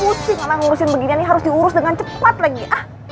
utsi mama ngurusin begini harus diurus dengan cepat lagi ah